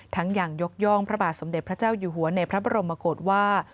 อย่างยกย่องพระบาทสมเด็จพระเจ้าอยู่หัวในพระบรมกฏว่า